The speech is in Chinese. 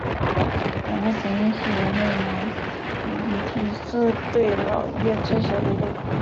两个枕叶是人类脑颅皮质四对脑叶最小的一对。